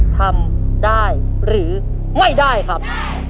ทำได้หรือไม่ได้ครับ